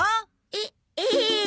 えっええ。